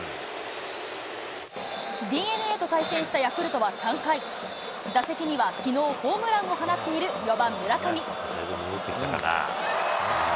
ＤｅＮＡと対戦したヤクルトは３回、打席にはきのうホームランを放っている４番村上。